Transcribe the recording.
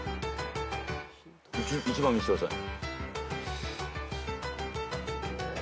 １番見してください。